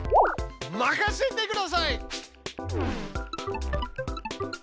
任せてください！